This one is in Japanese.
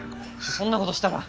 そんなことしたら。